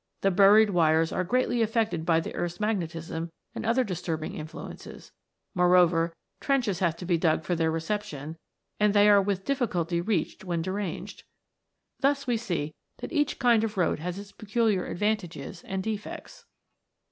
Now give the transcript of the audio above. The buried wires are greatly affected by the earth's magnetism and other disturbing influences ; moreover, trenches have to be dug for their reception, and they are with diffi culty reached when deranged. Thus we see that each kind of road has its peculiar advantages and defects.